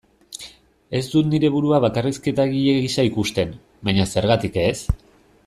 Ez dut nire burua bakarrizketa-egile gisa ikusten, baina zergatik ez?